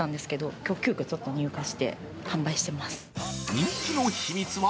人気の秘密は？